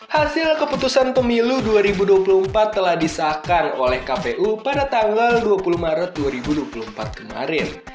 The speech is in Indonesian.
hasil keputusan pemilu dua ribu dua puluh empat telah disahkan oleh kpu pada tanggal dua puluh maret dua ribu dua puluh empat kemarin